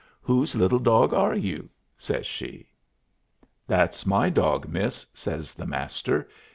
"Whose little dog are you?" says she. "That's my dog, miss," says the Master.